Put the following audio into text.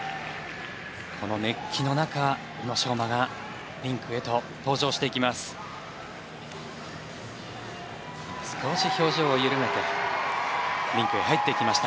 この熱気の中、宇野昌磨がリンクへと登場していきます。